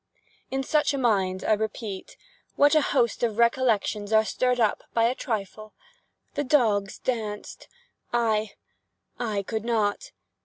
In such a mind, I repeat, what a host of recollections are stirred up by a trifle! The dogs danced! I—I could not!